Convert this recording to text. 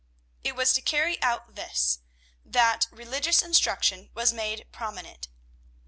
It was to carry out this, that religious instruction was made prominent.